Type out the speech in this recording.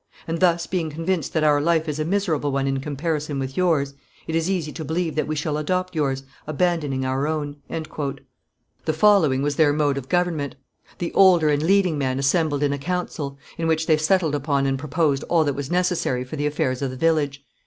And thus being convinced that our life is a miserable one in comparison with yours, it is easy to believe that we shall adopt yours, abandoning our own." The following was their mode of government. The older and leading men assembled in a council, in which they settled upon and proposed all that was necessary for the affairs of the village.